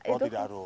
oh tidak harus ya